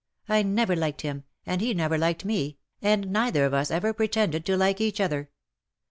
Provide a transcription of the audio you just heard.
I never liked him, and he never liked me^ and neither of us have ever pretended to li ke each other.